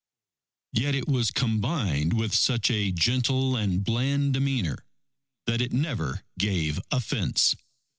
_ _Yet it was combined with such a gentle and bland demeanour, that it never gave offense.